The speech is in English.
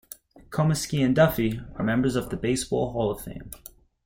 Comiskey and Duffy are members of the Baseball Hall of Fame.